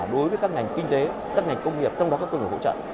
đối với các ngành kinh tế các ngành công nghiệp trong đó có cơ hội hỗ trợ